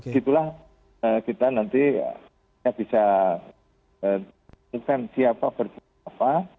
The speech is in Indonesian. gitulah kita nanti bisa tumpukan siapa berjualan apa